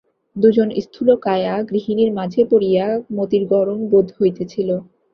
দুজন স্থূলকায়া গৃহিণীর মাঝে পড়িয়া মতির গরম বোধ হইতেছিল।